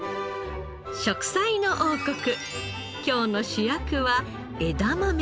『食彩の王国』今日の主役は枝豆です。